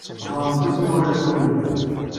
Ɣremt-as, ma ulac aɣilif.